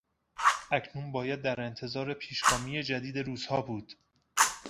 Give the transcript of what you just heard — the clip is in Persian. اکنون باید در انتظار پیشگامی جدید روسها بود.